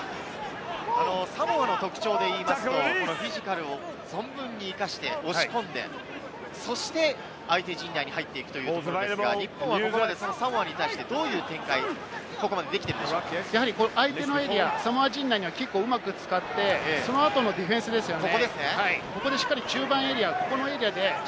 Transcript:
サモアの特徴で言いますと、フィジカルを存分に生かして相手陣内に入っていくというところがありますが、日本はここでサモアに対して、どういう展開、相手のエリア、サモア陣内には、キックをうまく使って、その後のディフェンスですね。